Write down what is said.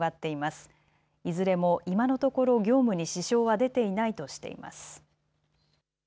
いずれも今のところ業務に支障は出ていないとしています。